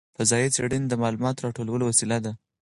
فضايي څېړنه د معلوماتو راټولولو وسیله ده.